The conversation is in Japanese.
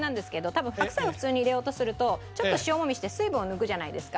多分白菜を普通に入れようとするとちょっと塩もみして水分を抜くじゃないですか。